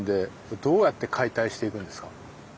どうやって解体していくんですか？